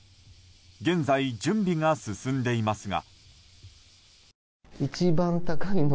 現在、準備が進んでいますが。